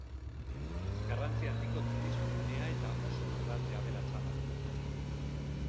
Garrantzi handiko turismo gunea eta oso lurralde aberatsa da.